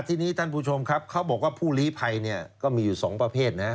ทีนี้ท่านผู้ชมครับเขาบอกว่าผู้ลีภัยเนี่ยก็มีอยู่๒ประเภทนะ